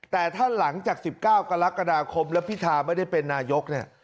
แต่ถ้าหลังจาก๑๙กคและพิทาไม่ได้เป็นนายก